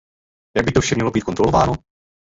Jak by to vše mělo být kontrolováno?